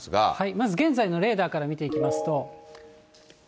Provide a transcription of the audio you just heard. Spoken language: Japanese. まず現在のレーダーから見ていきますと。